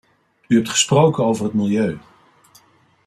U hebt gesproken over het milieu.